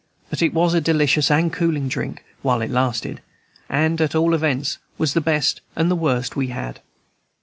But it was a delicious and cooling drink while it lasted; and at all events was the best and the worst we had.